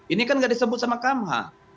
ini kan nggak disebut sama kamha